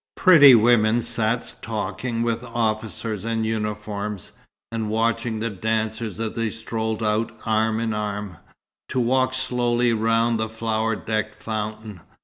Pretty women sat talking with officers in uniforms, and watching the dancers as they strolled out arm in arm, to walk slowly round the flower decked fountain.